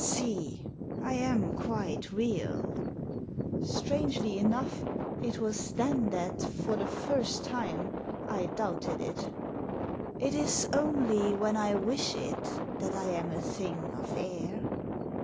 " See, I am quite real." Strangely enough it was then that, for the first time, I doubted it "It is only when I wish it that I am a thing of air."